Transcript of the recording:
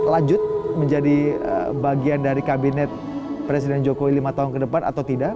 lanjut menjadi bagian dari kabinet presiden jokowi lima tahun ke depan atau tidak